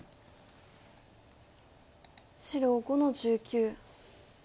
白５の十九。